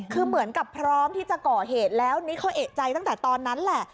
คือเหมือนกับพร้อมที่จะก่อเหตุแล้วนี่เขาเอกใจตั้งแต่ตอนนั้นแหละ